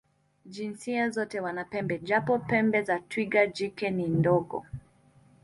Jinsia zote wana pembe, japo pembe za twiga jike ni ndogo.